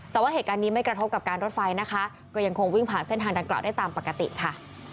แต่ว่าเหตุการณ์นี้ไม่กระทบกับการรถไฟนะคะก็ยังคงวิ่งผ่านเส้นทางดังกล่าวได้ตามปกติค่ะ